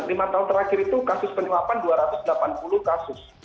lima tahun terakhir itu kasus penyuapan dua ratus delapan puluh kasus